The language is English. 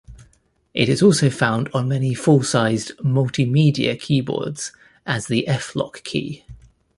It is also found on many full-sized "multimedia" keyboards as the F-Lock key.